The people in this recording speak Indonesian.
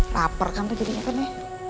lapar kan tuh jadinya kan ya